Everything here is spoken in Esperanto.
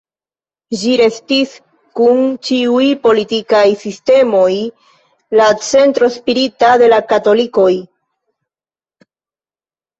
Ĝi restis, dum ĉiuj politikaj sistemoj, la centro spirita de la katolikoj.